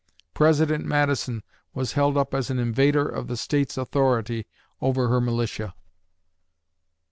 President Madison was held up as an invader of the State's authority over her militia.